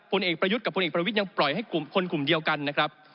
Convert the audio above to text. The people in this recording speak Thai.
เอกประยุทธ์กับพลเอกประวิทย์ยังปล่อยให้กลุ่มคนกลุ่มเดียวกันนะครับ